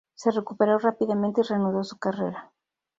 Se recuperó rápidamente y reanudó su carrera.